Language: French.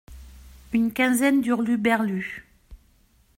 Une quinzaine d’hurluberlus.